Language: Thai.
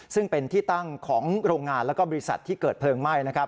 ซึ่งเป็นที่ตั้งของโรงงานแล้วก็บริษัทที่เกิดเพลิงไหม้